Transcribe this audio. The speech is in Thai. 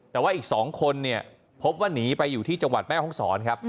แต่ว่าอีก๒คนเนี่ยพบว่าหนีไปอยู่ที่จังหวัดแม่ห้องศรครับ